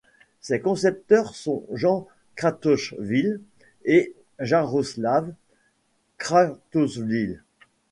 Ses concepteurs sont Jan Kratochvíl et Jaroslav Kratochvíl.